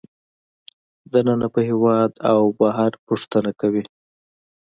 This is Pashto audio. دننه په هېواد کې او بهر پوښتنه کوي